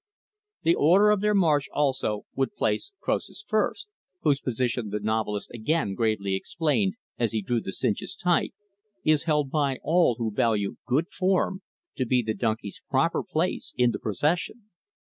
The order of their march, also, would place Croesus first; which position the novelist, again, gravely explained, as he drew the cinches tight is held by all who value good form, to be the donkey's proper place in the procession.